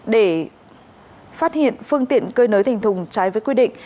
để phát hiện phương tiện cơi nới thành thùng trái với quy định